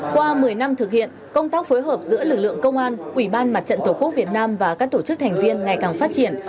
qua một mươi năm thực hiện công tác phối hợp giữa lực lượng công an ủy ban mặt trận tổ quốc việt nam và các tổ chức thành viên ngày càng phát triển